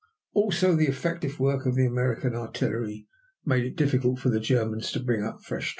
Also the effective work of the American artillery made it difficult for the Germans to bring up fresh troops.